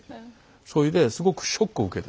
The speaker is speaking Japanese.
それですごくショックを受けた。